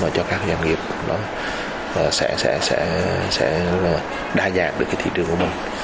và cho các doanh nghiệp nó sẽ đa dạng được cái thị trường của mình